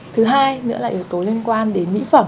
thứ hai nữa là yếu tố liên quan đến mỹ phẩm